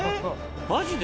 マジで？